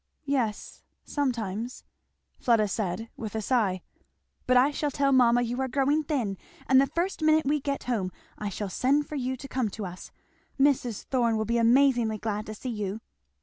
"Yes sometimes," Fleda said with a sigh. "But I shall tell mamma you are growing thin, and the first minute we get home I shall send for you to come to us. Mrs. Thorn will be amazingly glad to see you."